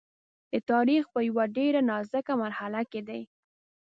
د تاریخ په یوه ډېره نازکه مرحله کې دی.